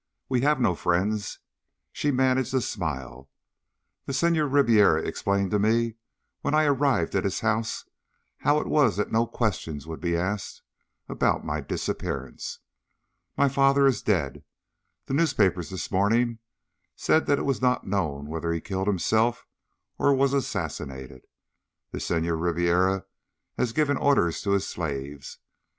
We have no friends." She managed a smile. "The Senhor Ribiera explained to me when I arrived at his house how it was that no questions would be asked about my disappearance. My father is dead. The newspapers this morning said that it was not known whether he killed himself or was assassinated. The Senhor Ribiera has given orders to his slaves.